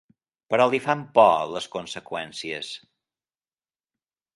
Però li fan por les conseqüències.